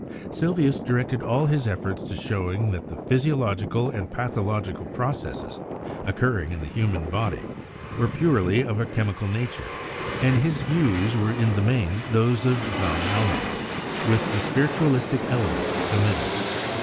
Sylvius directed all his efforts to showing that the physiological and pathological processes occurring in the human body were purely of a chemical nature, and his views were in the main those of van Helmont, with the spiritualistic element omitted.